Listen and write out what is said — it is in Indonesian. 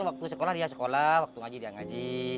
waktu sekolah dia sekolah waktu ngaji dia ngaji